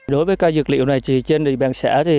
đối với cây dược liệu này trên bàn xã